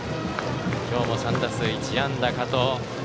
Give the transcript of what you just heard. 今日も３打数１安打、加藤。